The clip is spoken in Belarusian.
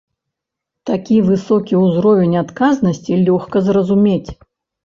Такі высокі ўзровень адказнасці лёгка зразумець.